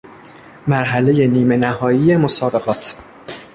مرحله نیمه نهایی مسابقات